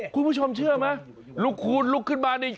คุณผู้ชมเชื่อไหมลูกคูณลุกขึ้นมานี่